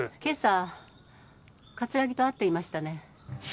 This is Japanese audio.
今朝葛城と会っていましたね。